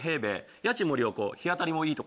家賃も良好日当たりもいい所。